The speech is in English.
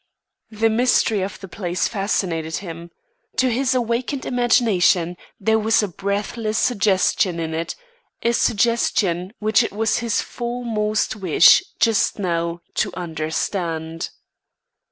The mystery of the place fascinated him. To his awakened imagination, there was a breathless suggestion in it a suggestion which it was his foremost wish, just now, to understand.